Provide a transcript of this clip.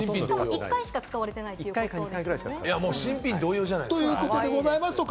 １回しか使われていないということです。